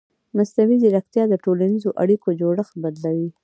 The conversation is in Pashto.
مصنوعي ځیرکتیا د ټولنیزو اړیکو جوړښت بدلوي.